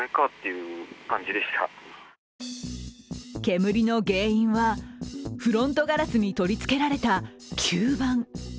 煙の原因は、フロントガラスに取り付けられた吸盤。